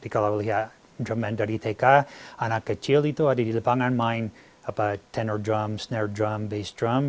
kalau lihat drum band dari tk anak kecil itu ada di lapangan main tenor drum snare drum bass drum